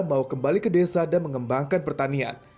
mau kembali ke desa dan mengembangkan pertanian